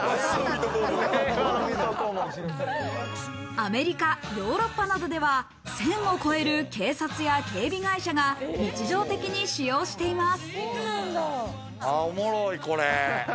アメリカ、ヨーロッパなどでは、１０００を超える警察や警備会社が日常的に使用しています。